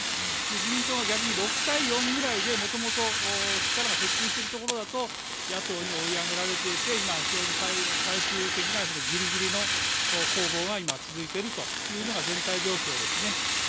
自民党が逆に６対４ぐらいでもともと力が接近してるところだと野党に追い上げられていて最終的なギリギリの攻防が今続いているというのが全体状況ですね。